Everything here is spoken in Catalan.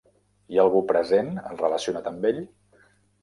Hi ha algú present relacionat amb ell?